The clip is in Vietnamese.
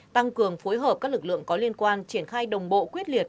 tăng cường phối hợp các lực lượng có liên quan triển khai đồng bộ quyết liệt